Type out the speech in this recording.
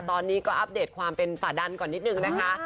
ตอนนี้ก็อัปเดตความเป็นฝ่าดันก่อนนิดนึงนะคะ